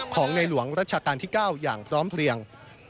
ของในหลวงรัชกาลที่๙อย่างพร้อมเพลียง